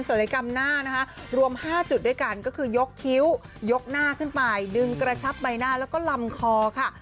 ศัยกรรมหน้านะคะรวม๕จุดด้วยกันก็คือยกคิ้วยกหน้าขึ้นไปดึงกระชับใบหน้าแล้วก็ลำคอค่ะ